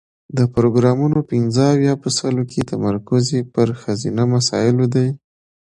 د پروګرامونو پنځه اویا په سلو کې تمرکز یې پر ښځینه مسایلو دی.